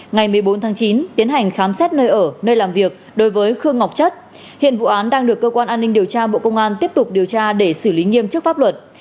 ngày một mươi bốn tháng chín tiến hành khám xét nơi ở nơi làm việc đối với khương ngọc chất hiện vụ án đang được cơ quan an ninh điều tra bộ công an tiếp tục điều tra để xử lý nghiêm trước pháp luật